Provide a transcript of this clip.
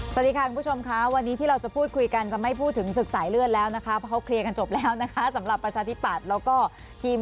สวัสดีค่ะคุณผู้ชมค่ะวันนี้ที่เราจะพูดคุยกันจะไม่พูดถึงศึกสายเลือดแล้วนะคะเพราะเขาเคลียร์กันจบแล้วนะคะสำหรับประชาธิปัตย์แล้วก็ทีม